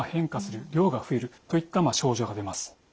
量が増えるといった症状が出ます。